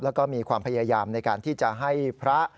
แล้วก็มีความพยายามในการที่จะให้พระ